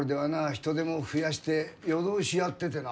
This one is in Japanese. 人手も増やして夜通しやっててな。